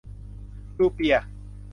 รูเปียห์